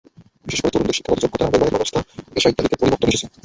বিশেষ করে তরুণদের শিক্ষাগত যোগ্যতা, বৈবাহিক অবস্থা, পেশা ইত্যাদিতে পরিবর্তন এসেছে।